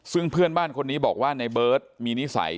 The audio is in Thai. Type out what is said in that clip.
ซึ่งเพื่อนบ้านคนนี้บอกว่าในเบิร์ตมีนิสัย